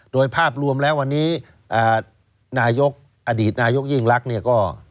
โดยภาพรวมแล้ววันนี้อดีตนายกยิ่งรักก็